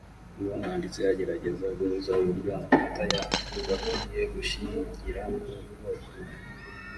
uwo mwanditsi agerageza guhuza uburyo amatora yagakwiye gushingira ku bwoko